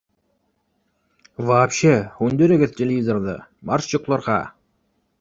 Вообще һүндерегеҙ телевизорҙы, марш йоҡларға!